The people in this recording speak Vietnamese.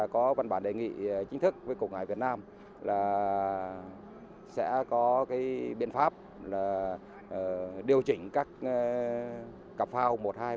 có văn bản đề nghị chính thức với cục ngài việt nam là sẽ có cái biện pháp là điều chỉnh các cặp phao một hai ba bốn